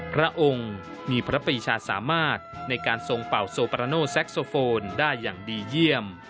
พระองค์มีพระปีชาสามารถในการทรงเป่าโซปราโนแซ็กโซโฟนได้อย่างดีเยี่ยม